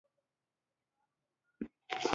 اوس په دې فاني دنیا کې ته زما یوازینۍ کس یې.